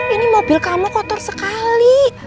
ini mobil kamu kotor sekali